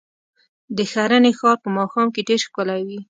د ښرنې ښار په ماښام کې ډېر ښکلی وي.